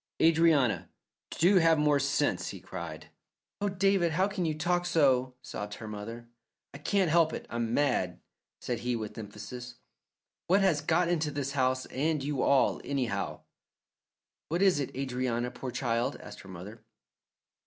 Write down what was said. "Adrianna, do have more sense!" he cried. "Oh, David, how can you talk so?" sobbed her mother. "I can't help it. I'm mad!" said he with emphasis. "What has got into this house and you all, anyhow?" "What is it, Adrianna, poor child," asked her mother.